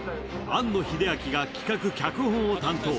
庵野秀明が企画・脚本を担当。